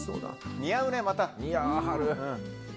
似合うね、またね。